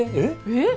えっ？